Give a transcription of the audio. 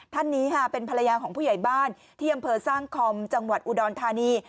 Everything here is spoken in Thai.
ท่านนี้ค่ะเป็นภรรยาของผู้ใหญ่บ้านที่อำเภอสร้างคอมจังหวัดอุดรธานี